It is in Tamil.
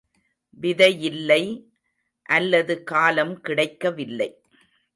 விதையில்லை அல்லது காலம் கிடைக்க வில்லை.